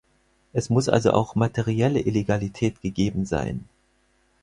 Es muss also auch materielle Illegalität gegeben sein.